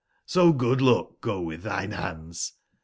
So good luck go witb tbine bands.